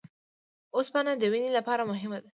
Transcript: اوسپنه د وینې لپاره مهمه ده